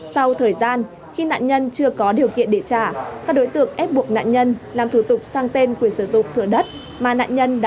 sau thời gian khi nạn nhân chưa có điều kiện để trả các đối tượng ép buộc nạn nhân làm thủ tục sang tên quyền sử dụng